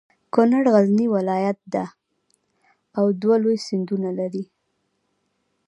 کنړ غرنی ولایت ده او دوه لوی سیندونه لري.